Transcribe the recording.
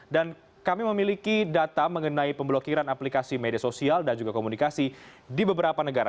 dan kami memiliki data mengenai pemblokiran aplikasi media sosial dan juga komunikasi di beberapa negara